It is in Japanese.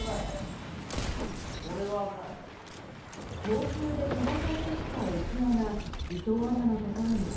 強風で飛ばされてきた浮輪が伊藤アナのところに。